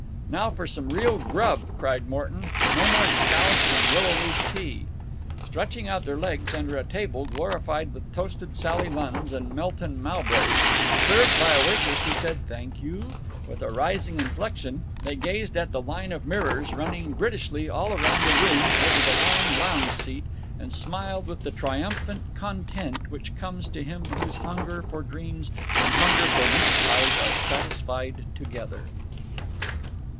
"Now for some real grub!" cried Morton. "No more scouse and willow leaf tea." Stretching out their legs under a table glorified with toasted Sally Lunns and Melton Mowbrays, served by a waitress who said "Thank you" with a rising inflection, they gazed at the line of mirrors running Britishly all around the room over the long lounge seat, and smiled with the triumphant content which comes to him whose hunger for dreams and hunger for meat pies are satisfied together.